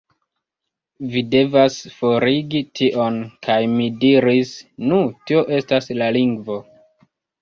Vi devas forigi tion" kaj mi diris, "Nu, tio estas la lingvo.